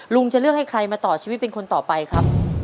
จะเลือกให้ใครมาต่อชีวิตเป็นคนต่อไปครับ